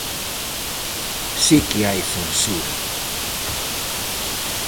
Si que hai censura.